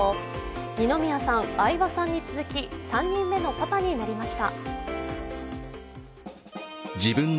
二宮さん、相葉さんに続き３人目のパパになりました。